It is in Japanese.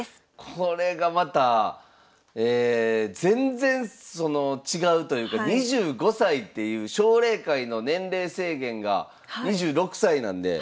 これがまた全然その違うというか２５歳っていう奨励会の年齢制限がそうなんです。